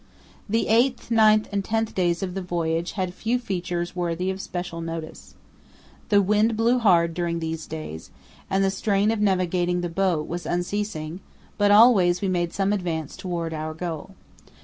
The eighth, ninth, and tenth days of the voyage had few features worthy of special note. The wind blew hard during those days, and the strain of navigating the boat was unceasing, but always we made some advance towards our goal.